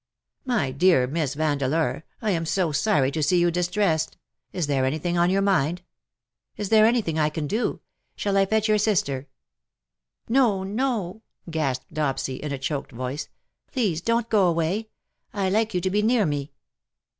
" My dear Miss Vandeleur, I am so sorry to see you distressed. Is there anything on your mind ? ''who knows not CIRCE?" 253 Is there anything that I can do. Shall I fetch your sister/^ "Noj no/' gasped Dopsy, in a choked voice. '' Please don^t go away. I like you to be near me.